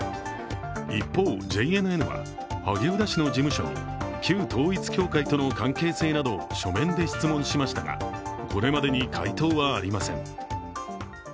一方、ＪＮＮは萩生田氏の事務所に旧統一教会との関係性などを書面で質問しましたがこれまでに回答はありません。